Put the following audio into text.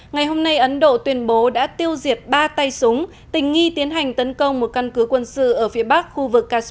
ngày hôm nay ấn độ tuyên bố đã tiêu diệt ba tay súng tình nghi tiến hành tấn công một căn cứ quân sự